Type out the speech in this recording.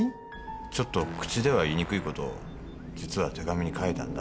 ちょっと口では言いにくいことを実は手紙に書いたんだ。